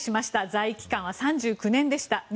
在位期間は３９年でした。